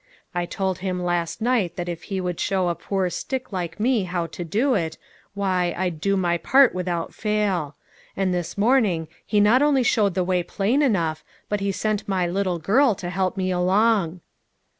I told him last night that if he would show a poor stick like me how to do it, why, I'd do my part 364 LITTLE FISHERS: AND THEIR NETS. without fail; and this morning he not only showed the way plain enough, but he sent my little girl to help me along."